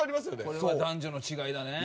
これは男女の違いだね。